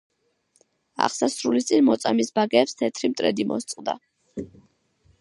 აღსასრულის წინ მოწამის ბაგეებს თეთრი მტრედი მოსწყდა.